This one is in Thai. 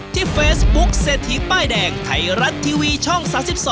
ที่เฟซบุ๊คเศรษฐีป้ายแดงไทยรัฐทีวีช่อง๓๒